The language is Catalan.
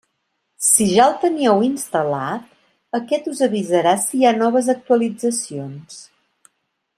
Si ja el teníeu instal·lat, aquest us avisarà si hi ha noves actualitzacions.